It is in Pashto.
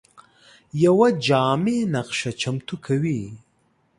یوه جامع نقشه چمتو کوي.